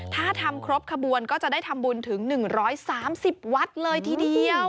ถ้าทำครบขบวนก็จะได้ทำบุญถึง๑๓๐วัดเลยทีเดียว